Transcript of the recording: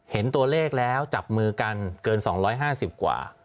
เห็นตัวเลขแล้วจับมือกันเกิน๒๕๐กว่า